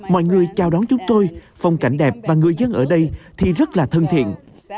mọi người chào đón chúng tôi phong cảnh đẹp và người dân ở đây thì rất là thân thiện